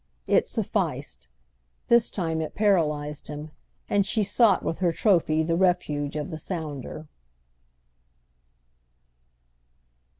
It sufficed: this time it paralysed him; and she sought with her trophy the refuge of the sounder.